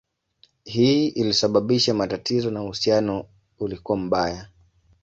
Hii ilisababisha matatizo na uhusiano ulikuwa mbaya.